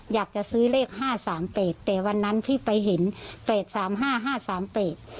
อยากจะซื้อเลข๕๓เปรกแต่วันนั้นพี่ไปเห็นเปรก๓๕๕๓เปรก